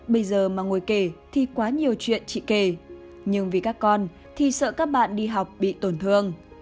bây giờ mà ngồi kể thì quá nhiều chuyện chị kề nhưng vì các con thì sợ các bạn đi học bị tổn thương